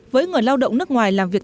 với người lao động nước ngoài làm việc